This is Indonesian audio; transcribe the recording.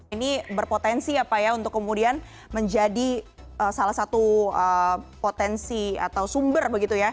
ini berpotensi apa ya untuk kemudian menjadi salah satu potensi atau sumber